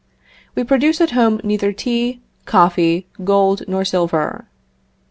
We produce at home neither tea, coffee, gold nor silver.